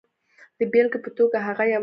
د بېلګې په توګه هغه یوازې پرېږدو.